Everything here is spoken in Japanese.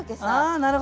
なるほど！